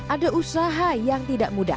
ada usaha yang tidak mudah